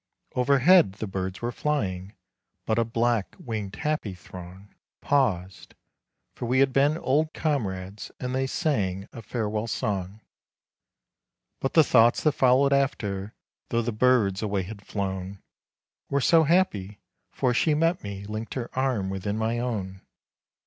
Overhead the birds were flying, but a black winged happy throng Paused; for we had been old comrades and they sang a farewell song. But the thoughts that followed after, though the birds away had flown, Were so happy, for she met me, linked her arm within my own.